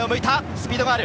スピードがある。